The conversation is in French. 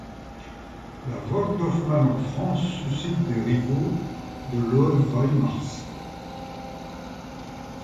La vogue d'Hoffmann en France suscite des rivaux de Loève-Veimars.